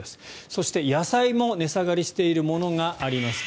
そして、野菜も値下がりしているものがあります。